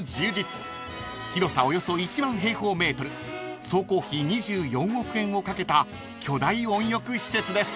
［広さおよそ１万平方ｍ総工費２４億円をかけた巨大温浴施設です］